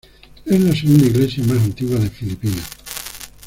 Es la segunda iglesia más antigua de Filipinas.